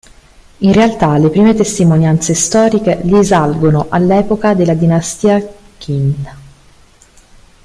In realtà le prime testimonianze storiche risalgono all'epoca della dinastia Qing.